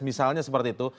misalnya seperti itu